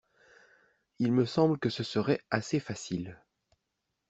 il me semble que ce serait assez facile.